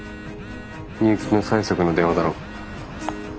入金の催促の電話だろう。